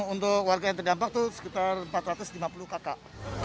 untuk warga yang terdampak itu sekitar empat ratus lima puluh kakak